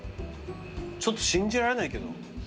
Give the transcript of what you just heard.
ちょっと信じられないけど。